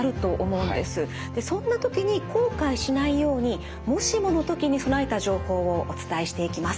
そんな時に後悔しないようにもしもの時に備えた情報をお伝えしていきます。